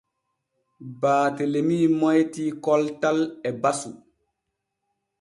Baatelemi moytii koltal e basu.